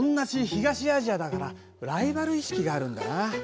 東アジアだからライバル意識があるんだな。